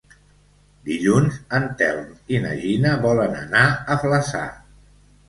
Dilluns en Telm i na Gina volen anar a Flaçà.